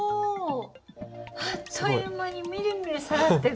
あっという間にみるみる下がってく。